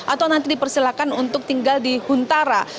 atau nanti dipersilakan untuk tinggal di huntara